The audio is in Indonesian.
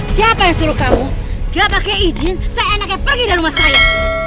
siapa yang suruh kamu gak pakai izin seenaknya pergi dari rumah saya